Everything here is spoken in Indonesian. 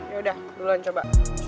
yaudah duluan coba